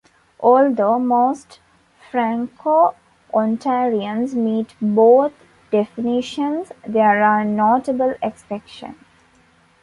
Although most Franco-Ontarians meet both definitions, there are notable exceptions.